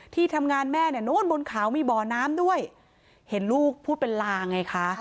ที่ทำงานแม่เนี่ยโน้นบนเขามีบ่อน้ำด้วยเห็นลูกพูดเป็นลาไงคะ